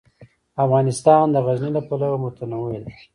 افغانستان د غزني له پلوه متنوع دی.